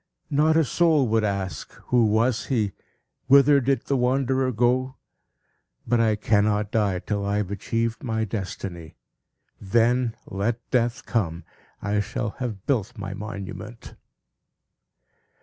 Not a soul would ask, 'Who was he? Whither did the wanderer go?' But, I cannot die till I have achieved my destiny. Then, let Death come! I shall have built my monument!"